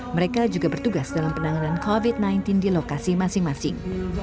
mereka juga bertugas dalam penanganan covid sembilan belas di lokasi masing masing